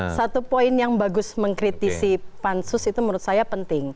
saya pikir itu satu poin yang bagus mengkritisi pansus itu menurut saya penting